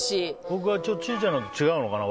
僕はちょっと千里ちゃんのとは違うのかな。